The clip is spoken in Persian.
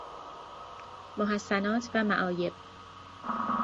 محسنات و معایب